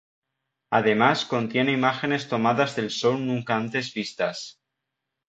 Además contiene imágenes tomadas del show nunca antes vistas.